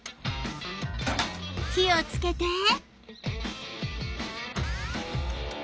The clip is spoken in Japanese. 火をつけて。